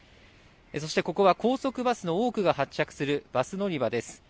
そして、ここは高速バスの多くが発着するバス乗り場です。